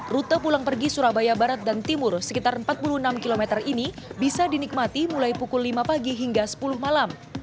rute pulang pergi surabaya barat dan timur sekitar empat puluh enam km ini bisa dinikmati mulai pukul lima pagi hingga sepuluh malam